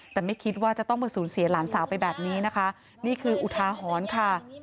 แต่ไม่คิดว่าจะต้องมาสูญเสียหลานสาวไปแบบนี้นะคะนี่คืออุทาหรณ์ค่ะ